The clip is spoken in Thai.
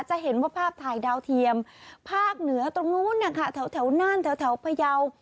จะเห็นว่าภาพถ่ายดาวเทียมภาคเหนือตรงนู้นนะคะแถวน่านแถวพยาว